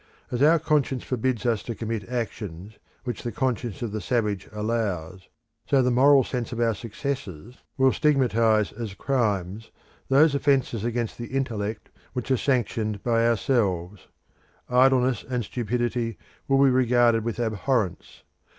As our conscience forbids us to commit actions which the conscience of the savage allows, so the moral sense of our successors will stigmatise as crimes those offences against the intellect which are sanctioned by ourselves. Idleness and stupidity will be regarded with abhorrence.